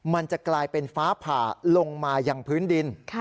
มันจะกลายเป็นฟ้าผ่าลงมาอย่างพื้นดิน